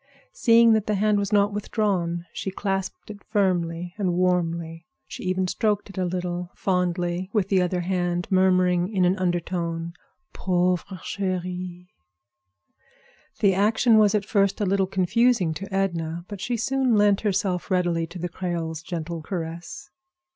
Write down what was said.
Seeing that the hand was not withdrawn, she clasped it firmly and warmly. She even stroked it a little, fondly, with the other hand, murmuring in an undertone, "Pauvre chérie." The action was at first a little confusing to Edna, but she soon lent herself readily to the Creole's gentle caress.